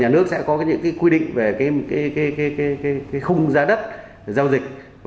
nhà nước sẽ có những quy định về khung giá đất giao dịch